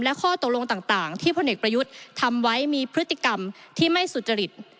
และข้อตกลงต่างที่พลเอกประยุทธ์ทำไว้มีพฤติกรรมที่ไม่สุจริต